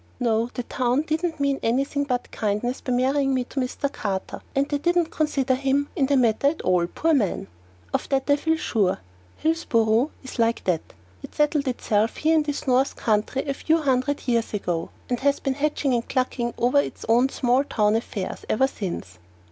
No, the town didn't mean anything but kindness by marrying me to Mr. Carter, and they didn't consider him in the matter at all, poor man! Of that I feel sure. Hillsboro is like that. It settled itself here in this north country a few hundreds of years ago, and has been hatching and clucking over its own small affairs ever since.